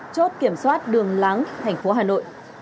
chốt kiểm soát đường láng thành phố hà nội